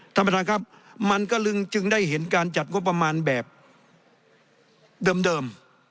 ท่านประธานครับมันก็ลึงจึงได้เห็นการจัดงบประมาณแบบเดิม